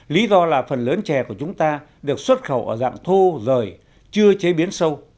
lý do là phần lớn chè của chúng ta được xuất khẩu ở dạng thô rời chưa chế biến sâu